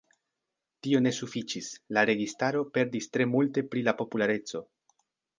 Tio ne sufiĉis, la registaro perdis tre multe pri la populareco.